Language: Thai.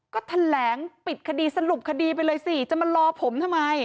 ก็แถลงปิดคดีสรุปคดีไปเลยสิจะมารอผมทำไม